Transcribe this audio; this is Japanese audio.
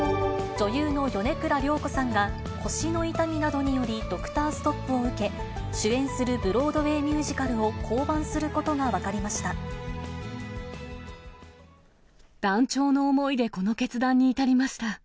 女優の米倉涼子さんが腰の痛みなどによりドクターストップを受け、主演するブロードウェイミュージカルを降板することが分かりまし断腸の思いでこの決断に至りました。